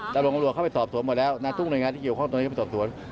ตำรวจเข้าไปสอบสวนหมดแล้วนะทุกหน่วยงานที่เกี่ยวข้องตรงนี้เข้าไปสอบสวน